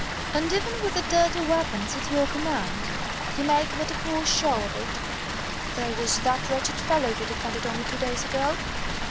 And even with the dirty weapons at your command, you make but a poor show of it. There was that wretched fellow you defended only two days ago.